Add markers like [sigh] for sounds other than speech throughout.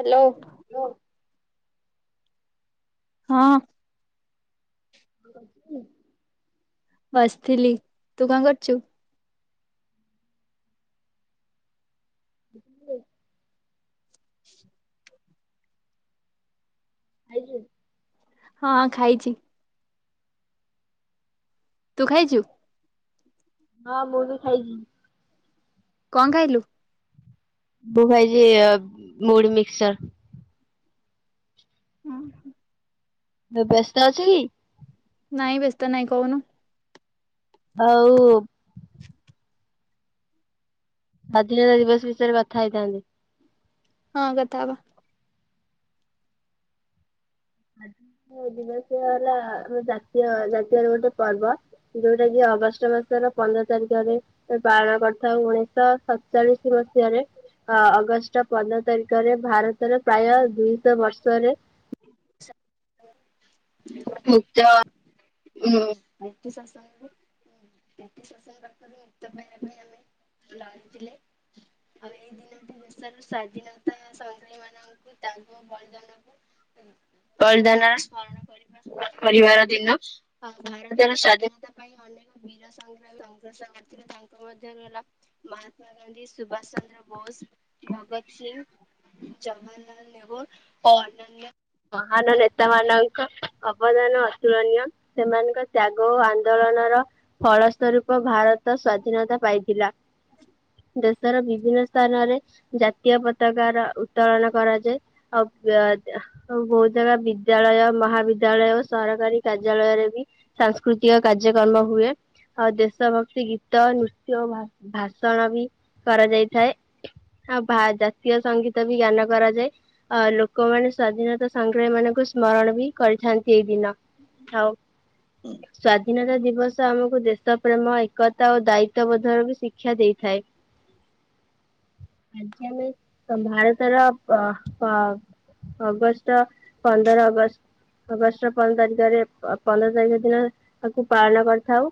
Hello. [inaudible] ହଁ। [inaudible] ବସିଥିଲି ତୁ କଣ କରୁଛୁ? [inaudible] ଖାଇଛୁ? ହଁ ଖାଇଛି। ତୁ ଖାଇଛୁ? ହଁ ମୁଁ ବି ଖାଇଛି। କଣ ଖାଇଲୁ? ମୁଁ ଖାଇଛି ମୁଢ଼ି ମିକ୍ସର। ହଁ ହ। ବ୍ୟସ୍ତ ଅଛ କି? ନାଇଁ ବ୍ୟସ୍ତ ନାଇଁ କହୁନୁ। ଆଉ। [inaudible] ସ୍ୱାଧୀନତା ଦିବସ ବିଷୟରେ କଥା ହେଇଥାନ୍ତି। ହଁ କଥାହବା। ଆଜି ଦିବସ ହେଲା ଆମ ଜାତୀୟ ଜାତୀୟର ଗୋଟେ ପର୍ବ ଯୋଉଟା କି ଅଗଷ୍ଟ ମାସର ପନ୍ଦର ତାରିଖରେ ପାଳନ କରିଥାଉ ଉଣେଇଶ ସ ସତଚାଳିଶ ମସିହାରେ ଅ ଅଗଷ୍ଟ ପନ୍ଦର ତାରିଖରେ ଭାରତରେ ପ୍ରାୟ ଦୁଇଶହ ବର୍ଷରେ ଆଛା! ମୁଚ [inaudible] [inaudible] [inaudible] [inaudible] ବଳିଦାନର ସ୍ମରଣ କରି ପରିବାର ଦିନ ଭାରତର ସ୍ଵାଧୀନତା ପାଇଁ ଅନେକ ବୀର ସଂ ସଂଘର୍ଷ ତାଙ୍କ ମଧ୍ୟରେ ହେଲା ମହାତ୍ମା ଗାନ୍ଧୀ ସୁଭାଷ ଚନ୍ଦ୍ର ବୋଷ [unintelligible] ଜବାହରଲାଲ ନେହରୁ ଓ ଅନାନ୍ୟ ମହାନ ନେତା ମାନଙ୍କ ଅବଦାନ ଅତୁଳନୀୟ ସେମାନଙ୍କ ତ୍ୟାଗ ଓ ଆନ୍ଦୋଳନର ଫଳସ୍ୱରୂପ ଭାରତ ସ୍ୱାଧୀନତା ପାଇଥିଲା। ଦେଶର ବିଭିନ୍ନ ସ୍ଥାନରେ ଜାତୀୟ ପତାକାର ର ଉତ୍ତୋଳନ କରାଯାଏ ଅ ବହୁତ ଜାଗା ବିଦ୍ୟାଳୟ ମହାବିଦ୍ୟାଳୟ ଓ ସରକାରୀ କାର୍ଯ୍ୟାଳୟରେ ବି ସାଂସ୍କୃତି କାର୍ଯ୍ୟକ୍ରମ ହୁଏ ଆଉ ଦେଶ ଭକ୍ତି ଗୀତ ଗୀତ ନୃତ୍ୟ ଓ ଭାଷଣ ବି କରାଯାଇଥାଏ। ହଁ ବା ଜାତୀୟ ସଙ୍ଗୀତ ବି ଜ୍ଞାନ କରାଯାଏ ଅ ଲୋକମାନେ ସ୍ଵାଧୀନତା ସଂଗ୍ରାମୀ ମାନଙ୍କୁ ସ୍ମରଣ ବି କରିଥାନ୍ତି ଏଇ ଦିନ ଆଉ ସ୍ଵାଧୀନତା ଦିବସ ଆମକୁ ଦେଶ ପ୍ରେମ ଏକତା ଓ ଦାୟିତ୍ଵବୋଧ ର ବି ଶିକ୍ଷା ଦେଇଥାଏ। ଆଜି ଆମେ ଭାରତର ପ ପ ଅଗଷ୍ଟ ପନ୍ଦର ଅଗଷ୍ଟ ଅଗଷ୍ଟ ପନ୍ଦର ତାରିଖରେ ପନ୍ଦର ତାରିଖ ଦିନ ତାକୁ ପାଳନ କରିଥାଉ।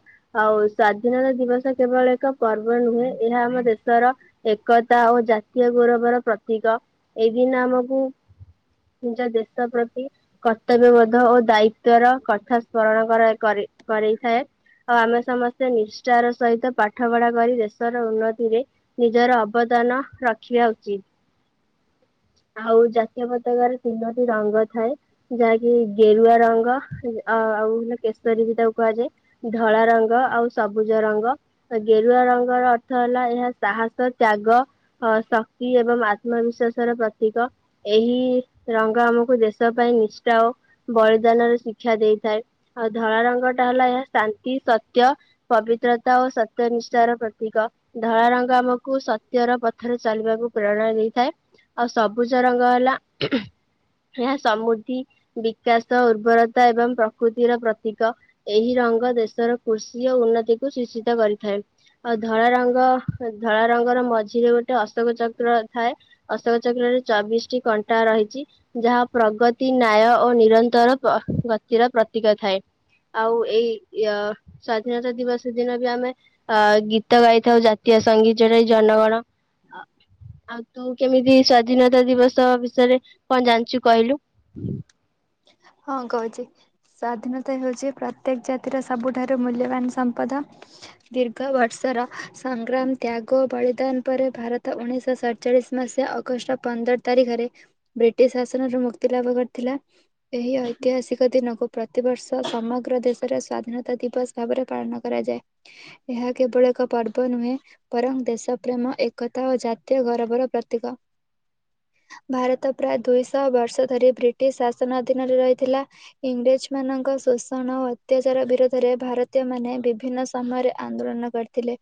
ଆଉ ସ୍ଵାଧୀନତା ଦିବସ କେବଳ ଏକ ପର୍ବ ନୁହେଁ ଏହା ଆମ ଦେଶର ଏକତା ଓ ଜାତୀୟ ଗୌରବର ପ୍ରତୀକ ଏ ଦିନ ଆମ କୁ ନିଜ ଦେଶ ପ୍ରତି କର୍ତ୍ତବ୍ୟବୋଧ ଓ ଦାୟିତ୍ୱର କଥା ସ୍ମରଣକରା କରେ କରେଇଥାଏ। ଆଉ ଆମେ ସମସ୍ତେ ନିଷ୍ଠାର ସହିତ ପାଠ ପଢା କରି ଦେଶର ଉନ୍ନତିରେ ନିଜର ଅବଦାନ ରଖିବା ଉଚିତ। ଆଉ ଜାତୀୟ ପତାକାରେ ତିନୋଟି ରଙ୍ଗ ଥାଏ ଯାହାକି ଗେରୁଆ ରଙ୍ଗ ଅ ଆଉ ହେଲା କେଶରୀ ବି ତାକୁ କୁହାଯାଏ ଧଳା ରଙ୍ଗ ଆଉ ସବୁଜ ରଙ୍ଗ ଗେରୁଆ ରଙ୍ଗର ଅର୍ଥ ହେଲା ଏହା ସାହସ, ତ୍ୟାଗ, ଶ କ୍ତି ଏବଂ ଆତ୍ମବିଶ୍ୱାସର ପ୍ର ତିକ ଏହି ରଙ୍ଗ ଆମକୁ ଦେଶ ପାଇଁ ନିଷ୍ଠା ଓ ବଳିଦାନରେ ଶିକ୍ଷା ଦେଇ ଥାଏ ଆଉ ଧଳା ରଙ୍ଗଟା ହେଲା ଏହା ଶାନ୍ତି, ସତ୍ୟ, ପବିତ୍ରତା ଓ ସତ୍ୟ ନିଷ୍ଠାର ପ୍ରତୀକ ଧଳା ରଙ୍ଗ ଆମକୁ ସତ୍ୟର ପଥରେ ଚାଲିବାକୁ ପ୍ରେରଣା ଦେଇଥାଏ। ଆଉ ସବୁଜ ରଙ୍ଗ ହେଲା ଏହା ସମୃଦ୍ଧି ବିକାଶ ଉର୍ବରତା ଏବଂ ପ୍ରକୃତିର ପ୍ରତୀକ ଏହି ରଙ୍ଗ ଦେଶର କୃଷି ଓ ଉନ୍ନତିକୁ ସିଷିତ କରିଥାଏ। ଆଉ ଧଳାରଙ୍ଗ ଧଳାରଙ୍ଗର ମଝିରେ ଗୋଟେ ଅଶୋକ ଚକ୍ର ଥାଏ ଅଶୋକ ଚକ୍ରରେ ଚବିଶଟି କଣ୍ଟା ରହିଛି ଯାହା ପ୍ରଗତି ନ୍ୟାୟ ଓ ନିରନ୍ତର ଗତିର ପ୍ରତୀକ ଥାଏ। ଆଉ ଏଇ ସ୍ଵାଧୀନତା ଦିବସ ଦିନ ବି ଆମେ ଅ ଗୀତ ଗାଇଥାଉ ଜା ତୀୟ ସଙ୍ଗୀତରେ ଜନଗଣ ଆଉ ତୁ କେମିତି ସ୍ଵାଧୀନତା ଦିବସ ବିଷୟରେ କଣ ଜାଣିଛୁ କହିଲୁ। ହଁ କହୁଛି ସ୍ଵାଧୀନତା ହେଉଛି ପ୍ରତ୍ୟେକ ଜାତିର ସବୁଠାରୁ ମୂଲ୍ୟବାନ ସମ୍ପଦ। ଦୀର୍ଘ ବର୍ଷର ସଂଗ୍ରାମ ତ୍ୟାଗ ଓ ବଳିଦାନ ପରେ ଭାରତ ଉଣେଇଶହ ସଢ଼ଚାଳିଶ ମାସିହା ଅଗଷ୍ଟ ପନ୍ଦର ତାରିଖରେ ବ୍ରିଟିଶ ଶାସନରୁ ମୁକ୍ତି ଲାଭ କରିଥିଲା। ଏହି ଐତିହାସିକ ଦିନକୁ ପ୍ରତିବର୍ଷ ସମଗ୍ର ଦେଶରେ ସ୍ୱାଧୀନତା ଦିବସ ଭାବରେ ପାଳନ କରା ଯାଏ। ଏହା କେବଳ ଏକ ପର୍ବ ନୁହେଁ ବରଂ ଦେଶ ପ୍ରେମ ଏକତା ଓ ଜାତୀୟ, ଗ ର୍ବ ର ପ୍ରତୀକ [inaudible] ଭାରତ ପ୍ରାୟ ଦୁଇଶହ ବର୍ଷ ଧରି ବ୍ରିଟିଶ ସ ଶ ଅଧୀନରେ ରହିଥିଲା ଇଂରେଜ ମାନଙ୍କ ଶୋଷଣ ଓ ଅତ୍ୟାଚାର ବିରୋଧରେ ଭାରତୀୟ ମାନେ ବିଭିନ୍ନ ସମୟରେ ଆନ୍ଦୋଳନ କରିଥିଲେ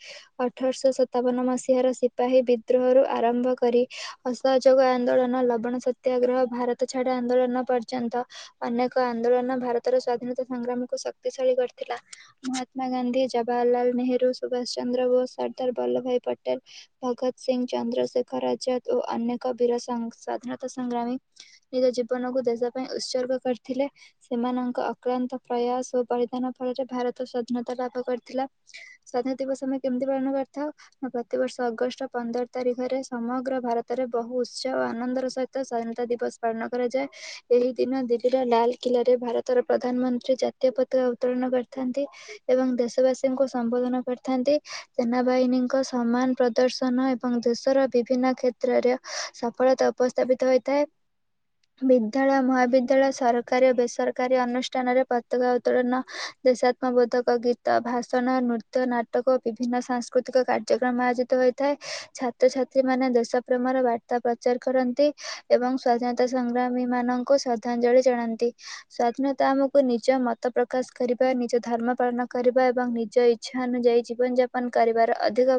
ଅଠରଶହ ସତାବନ ମସିହହାର ସିପାହୀ ବିଦ୍ରୋହର ଆରମ୍ଭ କରି ଅସହଯୋଗ ଆନ୍ଦୋଳନ ଲବଣ ସତ୍ୟାଗ୍ରହ ଭାରତ ଛାଡ଼ ଆନ୍ଦୋଳନ ପର୍ ପର୍ଯ୍ୟନ୍ତ ଅନେକ ଆନ୍ଦୋଳନ ଭାରତର ସ୍ଵାଧୀନତା ସଂଗ୍ରାମକୁ ଶକ୍ତିଶାଳୀ କରିଥିଲା ମହାତ୍ମା ଗାନ୍ଧୀ, ଜବାହହାରଲାଲ ନେହେରୁ, ସୁଭାଷ ଚନ୍ଦ୍ର ବୋଷ, ସର୍ଦ୍ଦାର ବଲ୍ଲଭ ଭାଇ ପଟେଲ, ଭଗତ ସିଂ, ଚନ୍ଦ ଚନ୍ଦ୍ରଶେଖର ରାଜା ଓ ଅନେକ ବୀର ସ ସଧୀନତା ସଂଗ୍ରାମୀ ନିଜ ଜୀବନକୁ ଦେଶ ପାଇଁ ଉତ୍ସର୍ଗ କରିଥିଲେ। ସେମାନଙ୍କ ଅକ୍ଲାନ୍ତ ପ୍ରୟାସ ଓ ପରିଧାନ ଫଳରେ ଭାରତ ସ୍ୱାଧୀନତା ରାବ କରିଥିଲା ସ୍ଵାଧୀନତା ଦିବସ ଆମେ କେମିତି ପାଳନ କରିଥାଉ। ପ୍ରତିବର୍ଷ ଅଗଷ୍ଟ ପନ୍ଦର ତାରିଖ ଘରେ ସମଗ୍ର ଭାରତରେ ବହୁ ଉତ୍ସା ଓ ଆନନ୍ଦର ସହିତ ସ୍ଵାଧୀନତା ଦିବସ ପାଳନ କରାଯାଏ। ଏହି ଦିନ ଦିଲ୍ଲୀର ଲାଲକିଲ୍ଲାରେ ଭାରତର ପ୍ରଧାନମନ୍ତ୍ରୀ ଜାତୀୟ ପତାକା ଉତ୍ତୋଳନ କରିଥାନ୍ତି। ଏବଂ ଦେଶବାସୀଙ୍କୁ ସମ୍ବୋଧନ କରିଥାନ୍ତି। ସେନା ବାହିନୀଙ୍କସମ୍ମାନ ପ୍ରଦର୍ଶନ ଏବଂ ଦେଶର ବିଭିନ୍ନ କ୍ଷେତ୍ରରେ ସଫଳତା ଉପସ୍ଥାପିତ ହୋଇଥାଏ। ବିଦ୍ୟାଳୟ ମହାବିଦ୍ୟାଳୟ ସରକାରୀ ଓ ବେସରକାରୀ ଅନୁଷ୍ଠାନରେ ପତାକା ଉତ୍ତୋଳନ ଦେଶାତ୍ମବୋଧ। ତକ ଗୀତ ଭାଷଣ ନୃତ୍ୟ ନାଟକ ଓ ବିଭିନ୍ନ ସାଂସ୍କୃତିକ କାର୍ଯ୍ୟକ୍ରମ ଆୟୋଜିତ ହୋଇଥାଏ। ଛାତ୍ରଛାତ୍ରୀ ମାନେ ଦେଶ ପ୍ରେମର ବାର୍ତ୍ତା ପ୍ରଚାର କରନ୍ତି ଏବଂ ସ୍ଵାଧୀନତା ସଂଗ୍ରାମୀ ମାନଙ୍କୁ ଶ୍ରଦ୍ଧାଞ୍ଜଳି ଜଣନ୍ତି ସ୍ଵାଧୀନତା ଆମକୁ ନିଜ ମତ ପ୍ରକାଶ କରବା ନିଜ ଧର୍ମ ପାଳନ କରିବା ଏବଂ ନିଜ ଇଚ୍ଛା ଅନୁଯାୟୀ ଜୀବନ ଯାପନ କରିବାର ଅଧିକ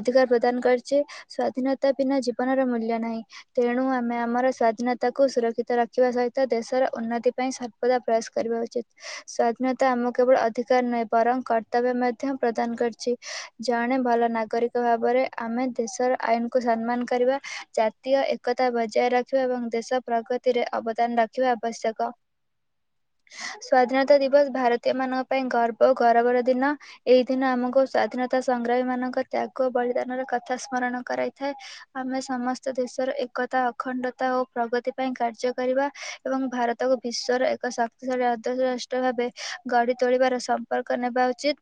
ଅଧିକାର ପ୍ରଦାନ କରିବା ସ୍ଵାଧୀନତା ବିନା ଜୀବନର ମୂଲ୍ୟ ନାହିଁ। ତେଣୁ ଆମେ ଆମର ସ୍ଵାଧୀନତାକୁ ସୁରକ୍ଷିତ ରଖିବା ସହିତ ଦେଶର ଉନ୍ନତି ପାଇଁ ସର୍ବଦା ପ୍ରୟାସ କରିବା ଉଚିତ ସ୍ୱାଧୀନତା ଆମ କେବଳ ଅଧିକ ନୁହେଁ ବରଂ କର୍ତ୍ତବ୍ୟ ମଧ୍ୟ ପ୍ରଦାନ କରିଛି ଜଣେ ଭଲ ନାଗରିକ ଭାବରେ ଆମେ ଦେଶର ଆଇନକୁ ସମ୍ମାନ କରିବା ଜାତୀୟ ଏକତା ବଜାୟ ରଖିବା ଏବଂ ଦେଶ ପ୍ରଗତି ସେଥିରେ ଅବଦାନ ରଖିବା ଆବଶ୍ୟକ। [inaudible] ସ୍ଵାଧୀନତା ଦିବସ ଭାରତୀୟ ମାନଙ୍କ ପାଇଁ ଗର୍ବ ଗୌରବର ଦିନ। ଏଇ ଦିନ ଆମକୁ ସ୍ଵାଧୀନତା- ତଥା ସଂଗ୍ରାମୀ ମାନଙ୍କ ତ୍ୟାଗ ବଳିଦାନର କଥା ସ୍ମରଣ କରାଇଥାଏ। ଆମେ ସମସ୍ତ ଦେଶର- ଏକତା ଅଖଣ୍ଡତା ଓ ପ୍ରଗତି ପାଇଁ କା- ର୍ଯ୍ୟ କରିବା ଏବଂ ଭାରତକୁ ବିଶ୍ୱର ଏକ ଶକ୍ତିଶାଳୀ ଗଣତାନ୍ତ୍ରିକ ରାଷ୍ଟ୍ର ଭାବେ ଗଢି ତୋଳିବାର ଶପଥ ନେବା ଉଚିତ।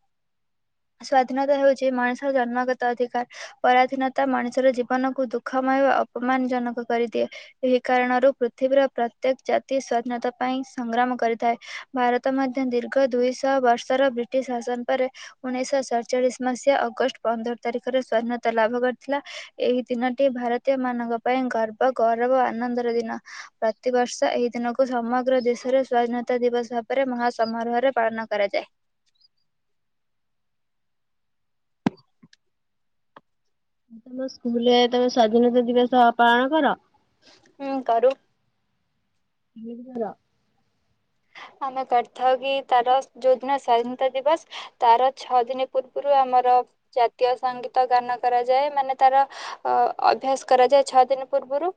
ସ୍ଵାଧୀନତା ହେଉଛି ମଣିଷର ଜନ୍ମଗତ ଅଧିକାର। ପରାଧୀନତା ମଣିଷର ଜୀବନକୁ ଦୁଃଖ- ସମୟ ଅପମାନ ଜନକ କରିଦିଏ ଏହି କାରଣରୁ- ପୃଥିବୀର ପ୍ରତ୍ୟେକ ଜାତି ସ୍ଵାଧୀନତା ପାଇଁ ସଂଗ୍ରାମ କରିଥାଏ।। ଭାରତ ମଧ୍ୟ ଦୀର୍ଘ ଦୁଇ ଶ ବର୍ଷର ବ୍ରିଟିଶ ଶାସନ ପରେ ଉଣେଇଶି ଶହ ସତ ଚାଳିଶ ମସିହା ଅଗଷ୍ଟ ପନ୍ଦର ତାରିଖରେ ସ୍ୱାଧୀନତା ତା ଲାଭ କରିଥିଲା ଏହି ଦିନଟି ଭାରତୀୟ ମାନଙ୍କ ପାଇଁ ଗର୍ବ ଗୌରବ ଆନନ୍ଦର ଦିନ। ପ୍ରତିବର୍ଷ ଏହି ଦିନକୁ ସମଗ୍ର ଦେଶରେ ସ୍ଵାଧୀନତା ଦିବସ ଭାବରେ ମହା ସମମାରୋହରେ ପାଳନ କରାଯାଏ [inaudible] ତମ ସ୍କୁଲରେ ତମେ ସ୍ଵାଧୀନତା ଦିବସ ପାଳନ କର? ହୁଁ କରୁ। କିମିତି କର? ଆମେ କରିଥାଉ କି ତାର ଯଉ ଦିନ ସ୍ଵାଧୀନତା ଦିବସ ତାର ଛଅ ଦିନ ପୂର୍ବରୁ ଆମେ- ଆମର ଜାତୀୟ ସଙ୍ଗୀତ ଗାନ କରାଯାଏ। ମାନେ ତାର ଅଭ୍ୟାସ କରାଯାଏ। ଛଅ ଦିନ ପୂର୍ବରୁ।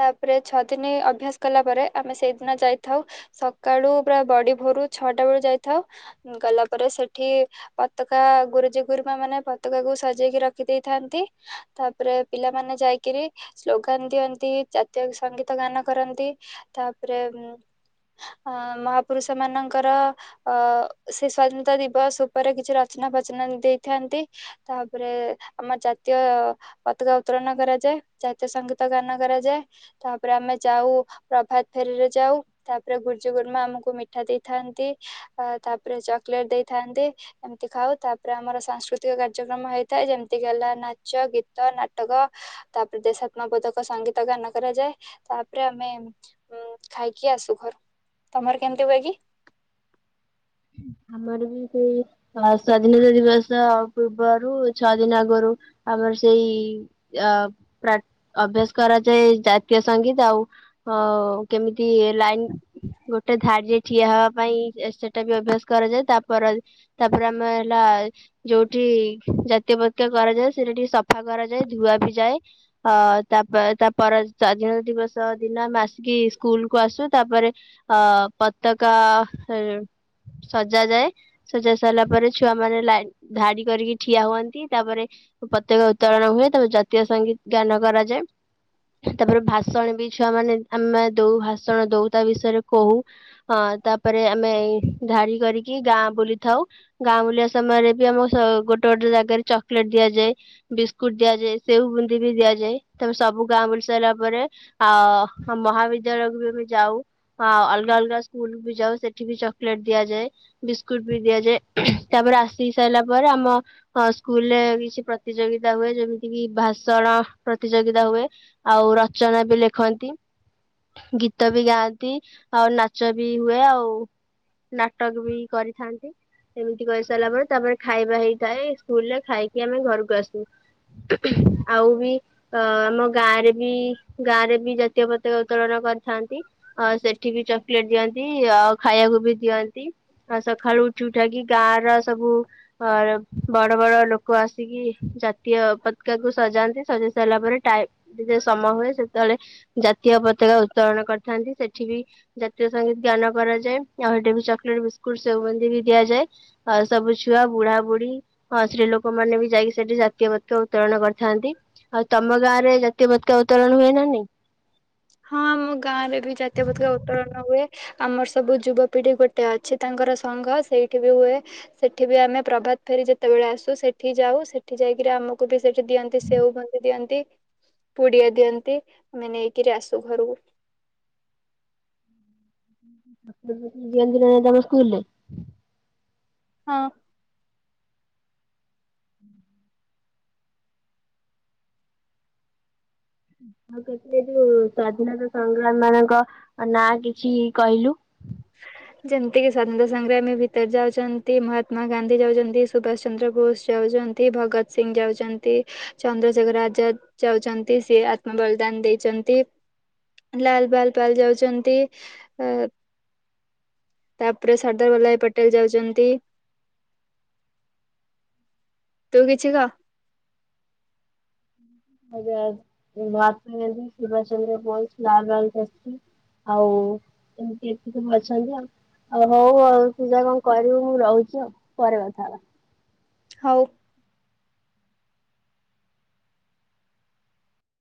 ତାପରେ ଛଅ ଦିନ ଅଭ୍ୟାସ କଲା ପରେ ଆମେ ସେଇଦିନ ଯାଇଥାଉ। ସକାଳୁ ପୁରା ବଡି ଭୋରୁ ଛଅଟା ବେଳୁ ଯାଇଥାଉ। ଗଲା ପରେ ସେଠି ପତାକା- ଗୁରୁଜୀ ଗୁରୁମା ମାନେ ପତାକାକୁ ସଜେଇକି ରଖି ଦେଇେଇଥାନ୍ତି। ତାପରେ ପିଲା ମାନେ ଯାଇକିରି ସ୍ଲୋଗାନ ଦିଅନ୍ତି ଜାତୀୟ ସଙ୍ଗୀତ ଗାନ କରନ୍ତି ତାପରେ ଅ ମହାପୁରୁଷ ମାନଙ୍କର ଅ ସେ ସ୍ଵାଧୀନତା ଦିବସ ଉପରେ କିଛି ରଚନା ବାଚନା ଦେଇଥାନ୍ତି ତାପରେ ଆମ ଜାତୀୟ ପତାକା ଉତ୍ତୋଳନ କରାଯାଏ। ଜାତୀୟ ସଙ୍ଗୀତ ଗାନ କରାଯାଏ। ତାପରେ ଆମେ ଯାଉ ପ୍ରଭାତ ଫେରୀରେ ଯାଉ। ତାପରେ ଗୁରୁଜୀ, ଗୁରୁମା ଆମକୁ ମିଠା ଦେଇଥାନ୍ତି। ତାପରେ, ଚକୋଲେଟ ଦେଇଥାନ୍ତି। ଏମତି ଖାଉ। ତାପରେ, ଆମର ସାଂସ୍କୃତିକ କାର୍ଯ୍ୟକ୍ରମ ହେଇଥାଏ। ଯେମିତିକି ହେଲା ନାଚ, ଗୀତ, ନାଟକ। ତାପରେ, ଦେଶାତ୍ମବୋଧକ ସଙ୍ଗୀତ ଗାନ କରାଯାଏ। ତାପରେ, ଆମେ ଉ ଖାଇକି ଆସୁ। ତମର କେମିତି ହୁ ଏ କି? ହୁଁ। ସ୍ଵାଧୀନତା ଦିବସ ପୂର୍ବରୁ ଛଅ ଦିନ ଆଗରୁ। ଆମର ସେଇ। ଅଭ୍ୟାସ କରାଯାଏ ଜାତୀୟ ସଙ୍ଗୀତ। ଆଉ ଅ କେମିତି? ଲାଇନ୍ ଗୋଟେ ଧାଡିରେ ଠିଆ ହବା ପାଇଁ ସେଟା ବି ଅଭ୍ୟାସ କରାଯାଏ। ତାପରେ ତାପରେ ଆମେ ହେଲା ଯୋଉଠି ମୂର୍ତ୍ତି ଫୁର୍ତ୍ତି କରାଯାଏ। ସେଟା ଟିକେ ସଫା କରାଯାଏ। ଧୁଆ ବି ଯାଏ ଅ ତାପରେ ତାପରେ ସା ଦିବସ ଦିନ ଆମେ ଆସିକି ସ୍କୁଲ କୁ ଆସୁ ତା ପରେ ଅ ପତକା ସଜା ଯାଏ ସଜା ସାରିଲା ପରେ ଛୁଆ ମାନେ ଲା ଧାଡି କରିକି ଠିଆ ହୁଅନ୍ତି ତାପରେ ପତକା ଉତ୍ତୋଳନ ହୁଏ ତାପରେ ଜାତୀୟ ସଙ୍ଗୀତ ଗାନ କରାଯାଏ ତାପରେ ଭାଷଣ ବି ଛୁଆ ମାନେ ଆମେ ଦଉ ଭାଷଣ ଦଉ ତା ବିଷୟରେ କହୁ ତାପରେ ଅ ଆମେ ଧାଡି କରିକି ଗାଁ ବୁଲିଥାଉ। ଗାଁ ବୁଲିବା ପ୍ଲେଟ ଦିଆଯାଏ। ବିସ୍କୁଟ ଦିଆଯାଏ ସେଓ ବୁନ୍ଦି ବି ଦିଆଯାଏ ତାପରେ ସବୁ ଗାଁ ବୁଲି ସାରିଲା ପରେ ଆ ହଁ ମହାବିଦ୍ୟାଳୟକୁ ବି ଆମେ ଯାଉ ଆଉ ଅଲଗା ଅଲଗା ସ୍କୁଲ ବି ଯାଉ ସେଠି ବି ଚକୋ ଦିଆଯାଏ ବିସ୍କୁଟ ବି ଦିଆଯାଏ ତାପରେ ଆସି ସାରିଲା ପରେ ଆମ ସ୍କୁଲରେ କିଛି ପ୍ରତିଯୋଗିତା ହୁଏ ଯେମିତି କି ଭାଷଣ ଭାଷଣ ପ୍ରତିଯୋଗିତା ହୁଏ ଆଉ ରଚନା ବି ଲେଖନ୍ତି। ଗୀତ ବି ଗାଆନ୍ତି ଆଉ ନାଚ ବି ହୁଏ ଆଉ ନାଟକ ବି କରିଥାନ୍ତି। ଏମିତି କରିସାରିଲା ପରେ ତାପରେ ଖାଇବା ହେଇଥାଏ ସ୍କୁଲ ରେ ଖାଇକି ଆମେ ଘରକୁ ଆସୁ। [inaudible] ଆଉ ବି ଅ ଆମ ଗାଁରେ ବି ଗାଁରେ ବି ଜାତୀୟ ପତାକା ଉତ୍ତୋଳନ କରିଥାନ୍ତି। ଅ ସେଠି ବି ଚକୋଲେଟ ଦିଅନ୍ତି ଆଉ ଖାଇବାକୁ ବି ଦିଅନ୍ତି ଆଉ ସକାଳୁ ଉଠି ଉଠାକି ଗାଁ ର ସବୁ ଅ ବଡ ବଡ ଲୋକ ଆସିକି ଜାତୀୟ ପତାକା କୁ ସଜାନ୍ତି ସଜା ସାରିଲା ପରେ ଟାଇମ୍ ରେ ସମ ହୁଏ ସେତେବେଳେ ଜାତୀୟ ପତାକା ଉତ୍ତୋଳନ କରିଥାନ୍ତି ସେଠି ବି ଜାତୀୟ ସଙ୍ଗୀତ ଗାନ କରାଯାଏ ଆଉ ସେଠି ବି ଚକୋଲେଟ୍ ବିସ୍କୁଟ ସେଓ ବୁନ୍ଦି ବି ଦିଆଯାଏ ଆ ସବୁ ଛୁଆ ବୁଢା ବୁଢ଼ୀ ହଁ ସ୍ତ୍ରୀ ଲୋକ ମାନେ ବି ଯାଇକି ସେଠି ଜାତୀୟ ପତ ଉତ୍ତୋଳନ କରିଥାନ୍ତି। ଆଉ ତମ ଗାଁ ରେ ଜାତୀୟ ପତାକା ଉତ୍ତୋଳନ ହୁଏ ନା ନାହିଁ? ହଁ ଆମ ଗାଁ ରେ ବି ଜାତୀୟ ପତାକା ଉତ୍ତୋଳନ ହୁଏ। ଆମର ସବୁ ଯୁବପିଢି ଗୋଟେ ଅଛି ତାଙ୍କର ସଂଘ ସେଇଠି ବି ହୁଏ ସେଠି ବି ଆମେ ପ୍ରଭାତ ଫେରି ଯେତେବେଳେ ଆସୁ ସେଠି ଯାଉ ସେଠି ଯାଇକି ଆମକୁ ବି ସେଠି ଦିଅନ୍ତି ସେଓ ବୁନ୍ଦି ଦିଅନ୍ତି ପୁଡିଆ ଦିଅନ୍ତି ଆମ ନେଇକିରି ଆସୁ। ତ ଘରକୁ ଦିଅନ୍ତି ନା ନାହିଁ ତମ ସ୍କୁଲ ରେ? ହଁ। ଆଉଥିରେ ଯୋଉ ସ୍ଵାଧୀନତା ସଂଗ୍ରାମ ମାନଙ୍କ ନାଁ କିଛି କହିଲୁ। [inaudible] ଯେମତିକି ସ୍ଵାଧୀନତା ସଂଗ୍ରାମୀ ଭିତରେ ଯାଉଛନ୍ତି ମହାତ୍ମା ଗାନ୍ଧୀ ଯାଉଛନ୍ତି ସୁଭାଷ ଚନ୍ଦ୍ର ବୋଷ ଯାଉଛ ଭଗତ ସିଂ ଯାଉଛନ୍ତି ଚନ୍ଦ୍ରଶେଖର ଆଜାଦ ଯାଉଛନ୍ତି ସେ ଆତ୍ମ ବଳିଦାନ ଦେଇ ଲାଲ ବାଲ ପାଲ ଯାଉଛନ୍ତି ଆଉ ତାପରେ ସର୍ଦ୍ଦାର ବଲ୍ଲଭାଇ ପଟେଲ ଯାଉଛନ୍ତି। [inaudible] ତୁ କିଛି କହ। [unintelligible] ଆଉ ଏମିତି ଏତେ ସବୁ ଅଛନ୍ତି ଆଉ। ଓ ହଉ ଆଉ ପୂଜା କଣ କରିବୁ ମୁଁ ରହୁଛି ଆଉ ପରେ କଥା ହେବା। ହଉ।